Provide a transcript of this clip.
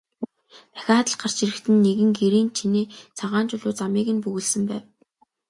Дахиад гарч ирэхэд нь нэгэн гэрийн чинээ цагаан чулуу замыг нь бөглөсөн байв.